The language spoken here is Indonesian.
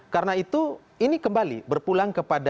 karena itu ini kembali berpulang kepada